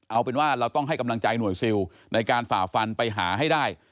เอาเป็นว่าเราต้องให้กำลังใจหน่วยซิลในการฝ่าฟันไปหาให้ได้